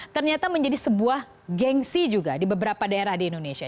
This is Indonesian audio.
ternyata menjadi sebuah gengsi juga di beberapa daerah di indonesia